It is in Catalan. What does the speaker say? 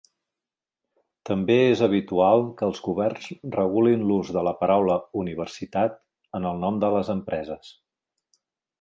També és habitual que els governs regulin l'ús de la paraula "universitat" en el nom de les empreses.